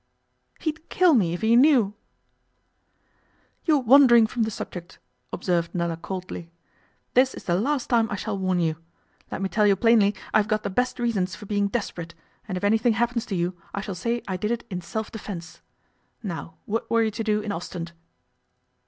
'He'd kill me if he knew.' 'You're wandering from the subject,' observed Nella coldly. 'This is the last time I shall warn you. Let me tell you plainly I've got the best reasons for being desperate, and if anything happens to you I shall say I did it in self defence. Now, what were you to do in Ostend?